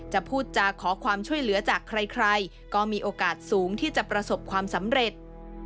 พูดจาขอความช่วยเหลือจากใครก็มีโอกาสสูงที่จะประสบความสำเร็จ